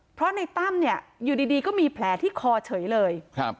เพราะในตั้มเนี่ยอยู่ดีก็มีแผลที่คอเฉยเลยครับ